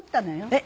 えっ！